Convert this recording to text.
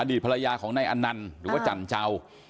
ตภรรยาของนายอนันต์หรือว่าจันเจ้า